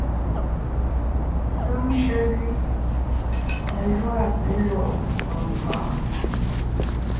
Kùmshe wü ne yua pü lo’ pe mfa’ na.